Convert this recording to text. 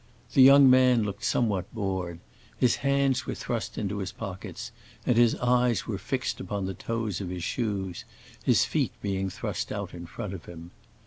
The young man looked somewhat bored; his hands were thrust into his pockets and his eyes were fixed upon the toes of his shoes, his feet being thrust out in front of him.